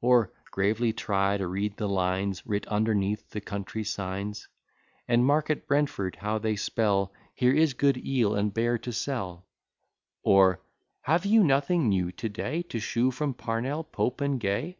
Or gravely try to read the lines Writ underneath the country signs; And mark at Brentford how they spell Hear is good Eal and Bear to cell. Or, "Have you nothing new to day To shew from Parnell, Pope and Gay?"